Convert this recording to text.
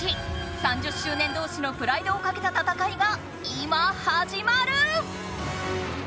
３０周年同士のプライドをかけた戦いが今はじまる！